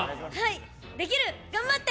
できる、頑張って！